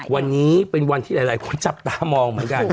วันนี้เป็นวันที่หลายคนจับตามองเหมือนกัน